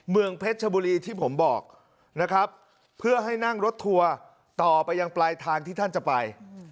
เมืองเพชรชบุรีที่ผมบอกนะครับเพื่อให้นั่งรถทัวร์ต่อไปยังปลายทางที่ท่านจะไป